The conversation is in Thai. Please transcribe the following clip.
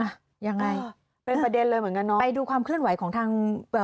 ยังไงเป็นประเด็นเลยเหมือนกันเนอะไปดูความเคลื่อนไหวของทางเอ่อ